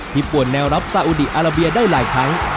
ปวดแนวรับซาอุดีอาราเบียได้หลายครั้ง